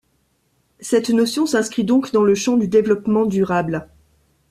Cette notion s'inscrit donc dans le champ du développement durable.